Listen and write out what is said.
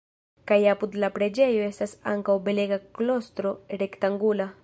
Kaj apud la preĝejo estas ankaŭ belega klostro rektangula.